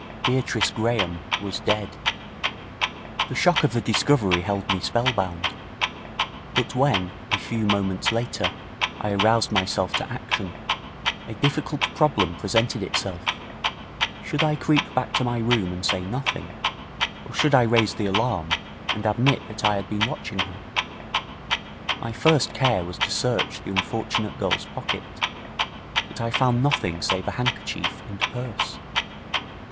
Beatrice Graham was dead. The shock of the discovery held me spellbound. But when, a few moments later, I aroused myself to action, a difficult problem presented itself. Should I creep back to my room and say nothing, or should I raise the alarm, and admit that I had been watching her? My first care was to search the unfortunate girl's pocket, but I found nothing save a handkerchief and purse.